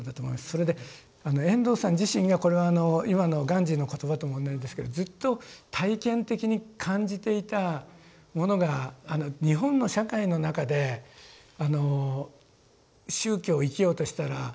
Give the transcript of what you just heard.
それで遠藤さん自身がこれは今のガンジーの言葉とも同じですけどずっと体験的に感じていたものが日本の社会の中で宗教を生きようとしたらですね